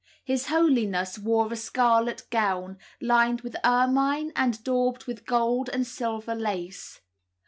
His Holiness wore a scarlet gown, lined with ermine and daubed with gold and silver lace.